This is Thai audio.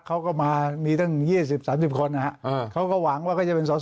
เขาก็มามีตั้ง๒๐๓๐คนนะฮะเขาก็หวังว่าเขาจะเป็นสอสอ